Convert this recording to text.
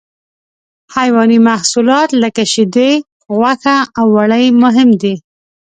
حیواني محصولات لکه شیدې، غوښه او وړۍ مهم دي.